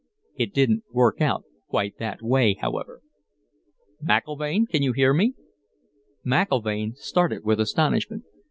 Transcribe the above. "It didn't work out quite that way, however...." "McIlvaine, can you hear me?" McIlvaine started with astonishment.